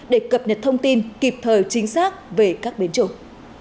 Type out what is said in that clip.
để cập nhật thông tin kịp thời chính xác về các biến chủng